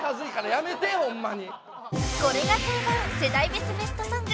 やめてホンマに。